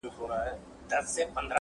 خرامانه په سالو کي ګرځېدي مین دي کړمه!